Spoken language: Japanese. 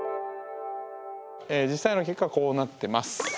実際の結果はこうなってます。